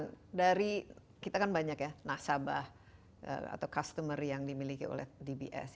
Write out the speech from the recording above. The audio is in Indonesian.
nah dari kita kan banyak ya nasabah atau customer yang dimiliki oleh dbs